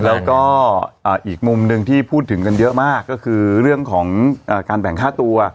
แล้วก็อีกมุมหนึ่งที่พูดถึงกันเยอะมากก็คือเรื่องของการแบ่งค่าตัว